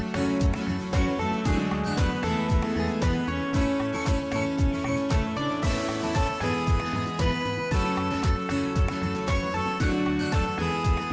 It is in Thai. โปรดติดตามตอนต่อไป